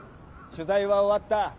取材は終わった。